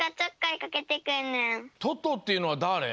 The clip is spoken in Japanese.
トトっていうのはだれ？